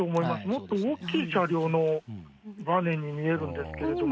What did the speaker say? もっと大きい車両のばねに見えるんですけれども。